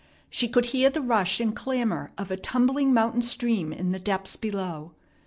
She could hear the rush and clamor of a tumbling mountain stream in the depths below.